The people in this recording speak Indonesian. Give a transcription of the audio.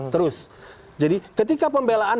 terus jadi ketika pembelaan